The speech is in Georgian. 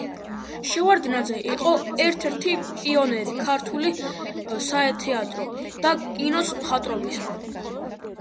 შევარდნაძე იყო ერთ-ერთი პიონერი ქართული სათეატრო და კინოს მხატვრობისა.